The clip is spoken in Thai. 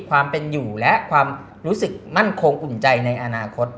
ความเป็นอยู่และความรู้สึกมั่นคงอุ่นใจในอนาคต